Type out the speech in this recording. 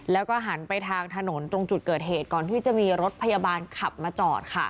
แล้วก็หันไปทางถนนตรงจุดเกิดเหตุก่อนที่จะมีรถพยาบาลขับมาจอดค่ะ